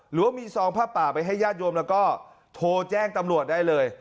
หรือว่ามีซองผ้าป่าไปให้ญาติโยมแล้วก็โทรแจ้งตำรวจได้เลย